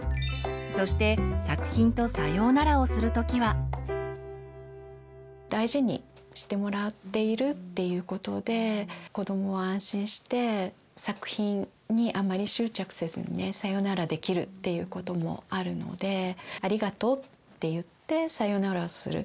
そして大事にしてもらっているっていうことで子どもは安心して作品にあまり執着せずにさよならできるということもあるのでありがとうって言ってさよならをする。